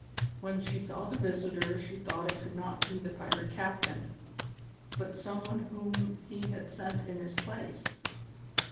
When she saw the visitor she thought it could not be the pirate captain, but some one whom he had sent in his place.